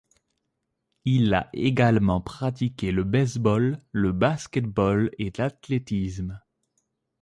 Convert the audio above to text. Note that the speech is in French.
Il a également pratiqué le baseball, le basketball et l'athlétisme.